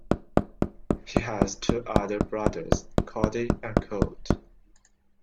He has two other brothers, Cody and Colt.